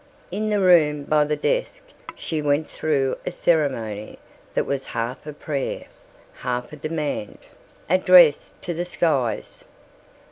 In the room by the desk she went through a ceremony that was half a prayer, half a demand, addressed to the skies.